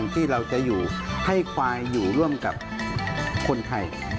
ที่เราจะอยู่ให้ควายอยู่ร่วมกับคนไทย